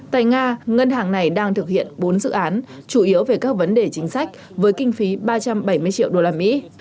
tại nga ngân hàng này đang thực hiện bốn dự án chủ yếu về các vấn đề chính sách với kinh phí ba trăm bảy mươi triệu đô la mỹ